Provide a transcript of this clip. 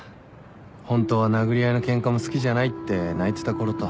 ホントは殴り合いのケンカも好きじゃないって泣いてたころと。